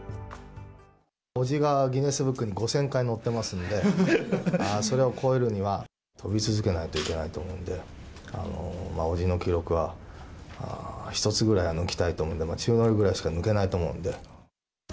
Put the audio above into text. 伯父がギネスブックに５０００回載ってますんで、それを超えるには飛び続けないといけないと思うんで、伯父の記録は一つぐらいは抜きたいと思うんで、宙乗りぐらいしか抜けないと思うんで。